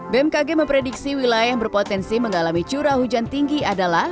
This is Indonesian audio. bmkg memprediksi wilayah yang berpotensi mengalami curah hujan tinggi adalah